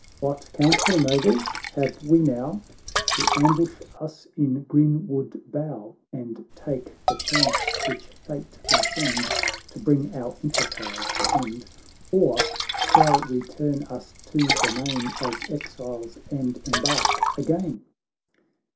" What counsel, nobles, have we now ?— To ambush us in green wood bough, And take the chance which fate may send To bring our enterprise to end, Or shall we turn us to the main As exiles, and embark again